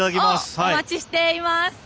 お待ちしています！